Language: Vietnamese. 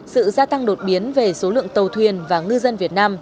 sự gia tăng đột biến về số lượng tàu thuyền và ngư dân việt nam